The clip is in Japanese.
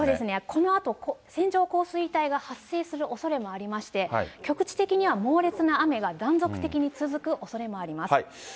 このあと、線状降水帯が発生するおそれもありまして、局地的には猛烈な雨が断続的に続くおそれもあります。